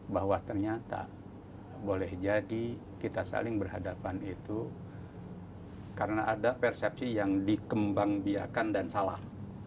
bahwa ternyata boleh jadi kita saling berhadapan itu karena ada persepsi yang dikembang biakan dan salah